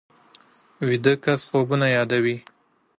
ویده کس خوبونه یادوي